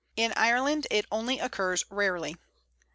In Ireland it only occurs rarely.